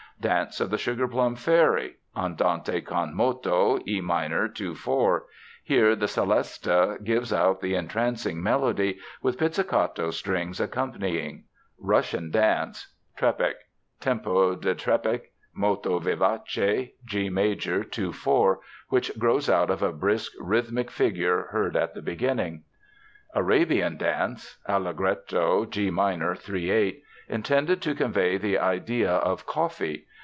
Dance of the Sugarplum Fairy (Andante con moto, E minor, 2 4). Here the celesta gives out the entrancing melody, with pizzicato strings accompanying. Russian Dance: Trepak (Tempo di trepak, molto vivace, G major, 2 4), which grows out of a brisk rhythmic figure heard at the beginning. Arabian Dance (Allegretto, G minor, 3 8). Intended to convey the idea of "Coffee."